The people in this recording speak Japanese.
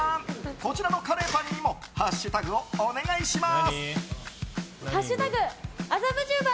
こちらのカレーパンにもハッシュタグをお願いします。